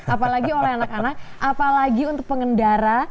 apalagi oleh anak anak apalagi untuk pengendara